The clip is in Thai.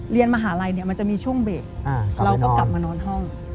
มหาลัยเนี่ยมันจะมีช่วงเบรกเราก็กลับมานอนห้อง